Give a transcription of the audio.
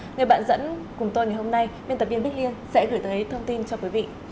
người bạn dẫn cùng tôi ngày hôm nay biên tập viên bích liên sẽ gửi tới thông tin cho quý vị